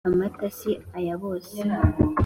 amata si aya bose